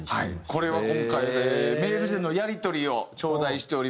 これは今回メールでのやり取りをちょうだいしております。